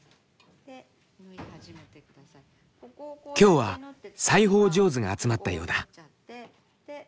今日は裁縫上手が集まったようだ。